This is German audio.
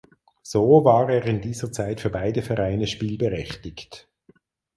So war er in dieser Zeit für beide Vereine spielberechtigt.